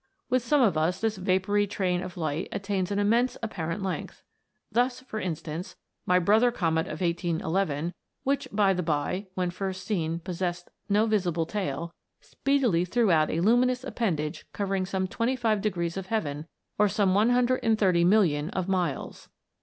With some of us this vapoury train of light attains an immense apparent length. Thus, for instance, my brother comet of 1811 which, by the bye, when first seen, possessed no visible tail speedily threw out a luminous appendage covering some 25 degrees of heaven, or some 130,000,000 of miles.